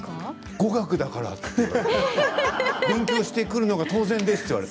語学だからって勉強してくるのが当然ですって。